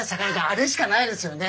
あれしかないですよね。